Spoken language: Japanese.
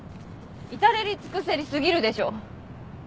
至れり尽くせり過ぎるでしょ。